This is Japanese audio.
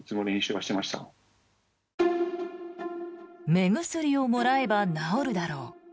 目薬をもらえば治るだろう。